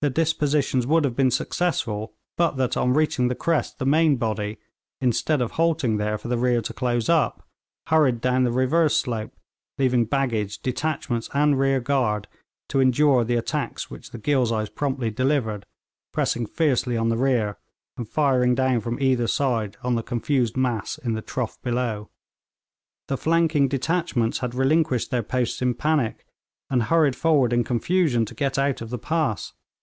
The dispositions would have been successful but that on reaching the crest the main body, instead of halting there for the rear to close up, hurried down the reverse slope, leaving baggage, detachments, and rear guard to endure the attacks which the Ghilzais promptly delivered, pressing fiercely on the rear, and firing down from either side on the confused mass in the trough below. The flanking detachments had relinquished their posts in panic, and hurried forward in confusion to get out of the pass.